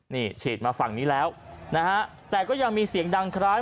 นี่ฉีดมาฝั่งนี้แล้วนะฮะแต่ก็ยังมีเสียงดังคล้าย